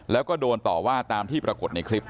แล้วก็โดนต่อว่าตามที่ปรากฏในคลิป